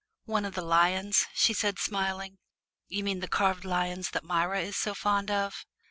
"One of the lions?" she said, smiling. "You mean the carved lions that Myra is so fond of.